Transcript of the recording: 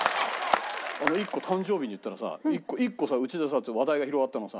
一個誕生日で言ったらさ一個さうちで話題が広がったのがさ